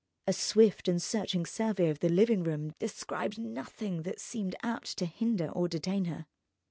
A swift and searching survey of the living room descried nothing that seemed apt to hinder or detain her.